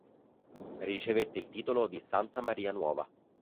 Ricevette il titolo di Santa Maria Nuova.